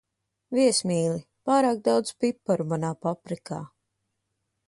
Viesmīli, pārāk daudz piparu manā paprikā.